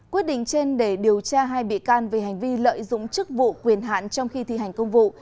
quyết định trên để điều tra hai bị can về hành vi lợi dụng chức vụ quyền hạn trong khi thi hành công vụ